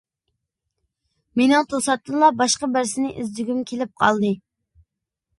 مېنىڭ توساتتىنلا باشقا بىرسىنى ئىزدىگۈم كېلىپ قالدى.